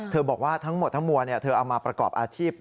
บอกว่าทั้งหมดทั้งมวลเธอเอามาประกอบอาชีพ